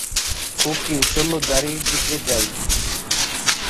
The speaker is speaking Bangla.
ওকে, চলো গাড়ির দিকে যাই।